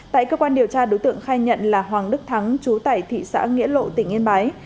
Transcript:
tại cơ quan điều tra đối tượng khai nhận là hoàng đức thắng chú tại thị xã nghĩa lộ tỉnh yên bái